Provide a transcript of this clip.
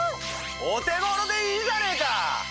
お手頃でいいじゃねえか！